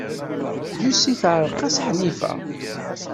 Lucy teɛreq-as Ḥnifa.